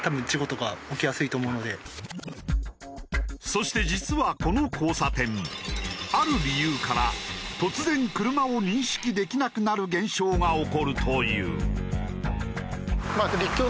そして実はこの交差点ある理由から突然車を認識できなくなる現象が起こるという。